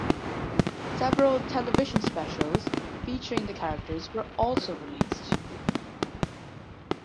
Several television specials featuring the characters were also released.